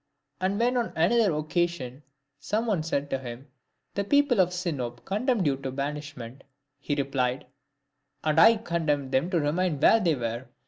And when, on another occasion, some one said to him, " The people of Sinope condemned you to banishment," he replied, "And I condemned them to remain where they were."